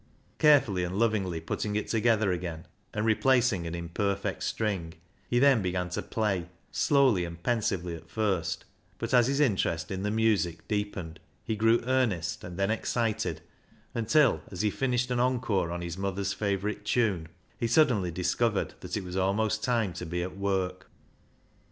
Carefully and lovingly putting it together again, and replacing an imperfect string, he then began to play, slowly and pensively at first, but as his interest in the music deepened he grew earnest and then excited, until, as he finished an encore on his mother's favourite tune, he suddenly discovered that it was almost time to be at work.